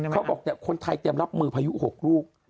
เขาบอกคนไทยเตรียมรับมือพายุ๖ลูก